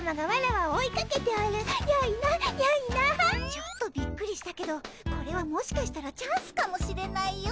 ちょっとびっくりしたけどこれはもしかしたらチャンスかもしれないよ。